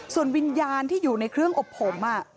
ส่วนวิญญาณที่อยู่ในเครื่องอบผม